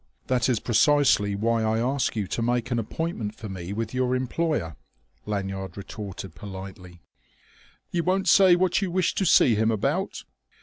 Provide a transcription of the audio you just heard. "That is precisely why I ask you to make an appointment for me with your employer," Lanyard retorted politely. "You won't say what you wish to see him about?"